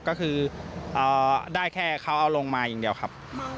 ก็คือได้แค่เขาเอาลงมาอย่างเดียวครับ